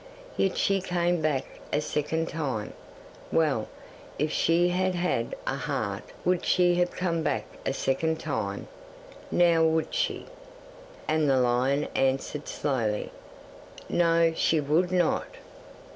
Yet she came back a second time. Well, if she had had a heart would she have come back a second time? Now would she?" 'And the lion answered slowly, "No, she would not."